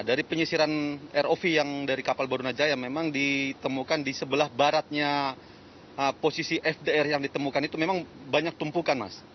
dari penyisiran rov yang dari kapal barunajaya memang ditemukan di sebelah baratnya posisi fdr yang ditemukan itu memang banyak tumpukan mas